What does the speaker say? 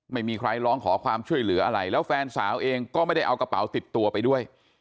ไม่มีใครร้องขอความช่วยเหลืออะไรแล้วแฟนสาวเองก็ไม่ได้เอากระเป๋าติดตัวไปด้วย